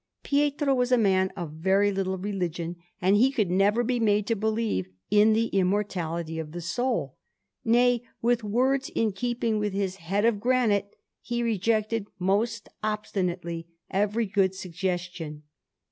Pietro was a man of very little religion, and he could never be made to believe in the immortality of the soul nay, with words in keeping with his head of granite, he rejected most obstinately every good suggestion.